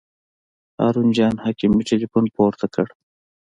هارون جان حکیمي تیلفون پورته کړ.